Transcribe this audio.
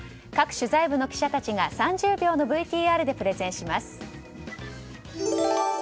各取材部の記者たちが３０秒のＶＴＲでプレゼンします。